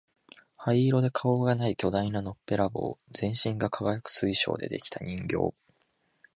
灰色で顔がない巨大なのっぺらぼう、全身が輝く水晶で出来た人形、